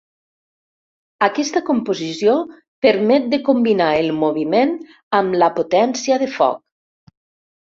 Aquesta composició permet de combinar el moviment amb la potència de foc.